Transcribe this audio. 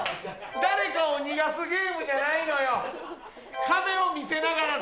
誰かを逃がすゲームじゃないのよ。